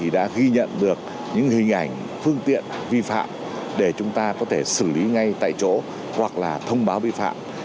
được những hình ảnh phương tiện vi phạm để chúng ta có thể xử lý ngay tại chỗ hoặc là thông báo vi phạm